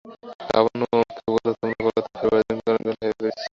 লাবণ্য অমিতকে বললে, তোমার কলকাতায় ফেরবার দিন অনেককাল হল পেরিয়ে গেছে।